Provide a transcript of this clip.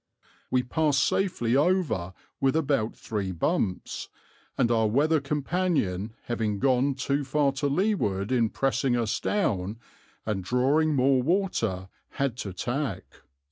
We passed safely over with about three bumps, and our weather companion having gone too far to leeward in pressing us down, and drawing more water, had to tack.